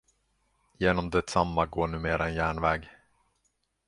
Genom detsamma går numera en järnväg.